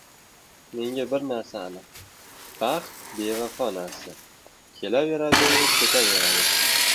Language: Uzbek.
Menga bir narsa aniq: baxt bevafo narsa — kelaveradi, ketaveradi...